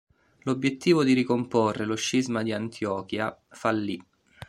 L'obiettivo di ricomporre lo scisma di Antiochia fallì.